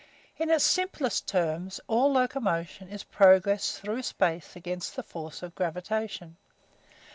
In its simplest terms all locomotion is progress through space against the force of gravitation.